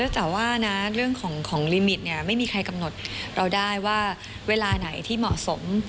แต่ว่านะเรื่องของลิมิตเนี่ยไม่มีใครกำหนดเราได้ว่าเวลาไหนที่เหมาะสม